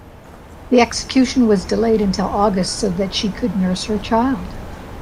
The execution was delayed until August, so that she could nurse her child.